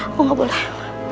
aku nggak boleh